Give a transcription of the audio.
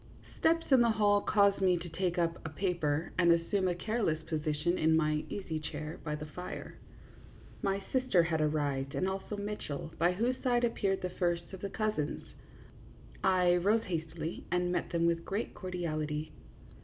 Steps in the hall caused me to take up a paper and assume a careless position in my easy chair by the fire. My sister had arrived and also Mitchell, by whose side appeared the first of the cousins. I rose hastily and met them with great cordiality.